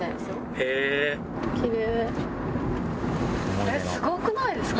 えっすごくないですか？